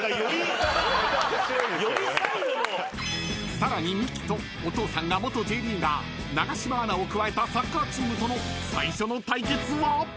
［さらにミキとお父さんが元Ｊリーガー永島アナを加えたサッカーチームとの最初の対決は］